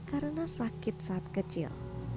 karena sakit saat kecil